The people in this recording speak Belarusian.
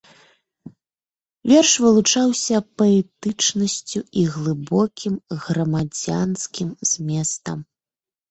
Верш вылучаўся паэтычнасцю і глыбокім грамадзянскім зместам.